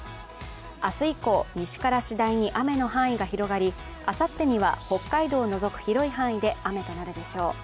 明日以降、西から次第に雨の範囲が広がり、あさってには、北海道を除く広い範囲で雨となるでしょう。